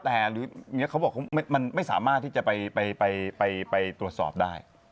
แต่หรือเขาบอกมันไม่สามารถที่จะไปตรวจสอบได้